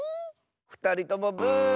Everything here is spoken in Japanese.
ふたりともブー。